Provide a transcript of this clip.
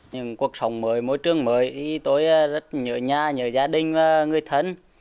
những cuộc sống mới môi trường mới tôi rất nhớ nhà nhớ gia đình và người thân